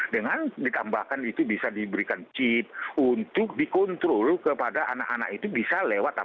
dengan ditambahkan itu bisa diberikan chip untuk dikontrol kepada anak anak itu bisa lewat apa